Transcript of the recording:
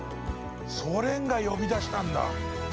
ソ連が呼びだしたんだ。